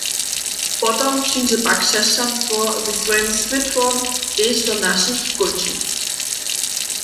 Potom přińdźe pak křesćanstwo ze swojim swětłom tež do našich kónčin.